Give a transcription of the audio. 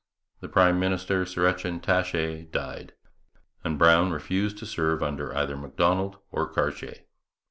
The prime minister, Sir Etienne Taché, died; and Brown refused to serve under either Macdonald or Cartier.